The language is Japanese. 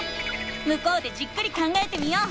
向こうでじっくり考えてみよう。